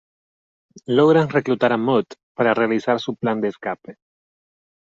Logran reclutar a Mudd para realizar su plan de escape.